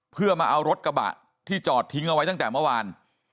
เพื่อมาเอารถกระบะที่จอดทิ้งเอาไว้ตั้งแต่เมื่อวาน